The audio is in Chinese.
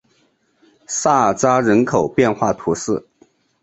萨尔扎人口变化图示